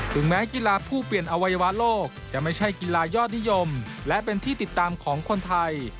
แม้กีฬาผู้เปลี่ยนอวัยวะโลกจะไม่ใช่กีฬายอดนิยมและเป็นที่ติดตามของคนไทย